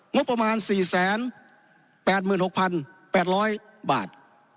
งบประมาณสี่แสนแปดหมื่นหกพันแปดร้อยบาท